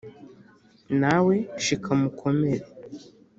nawe shikama ukomere !